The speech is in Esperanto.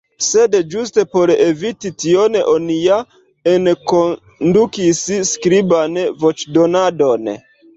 Sed ĝuste por eviti tion oni ja enkondukis skriban voĉdonadon.